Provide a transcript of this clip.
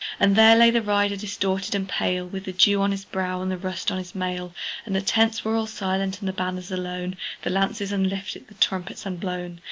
And there lay the rider distorted and pale, With the dew on his brow, and the rust on his mail: And the tents were all silent, the banners alone, The lances unlifted, the trumpet unblown.